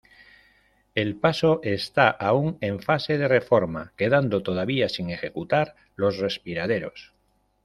El paso está aún en fase de reforma quedando todavía sin ejecutar los respiraderos.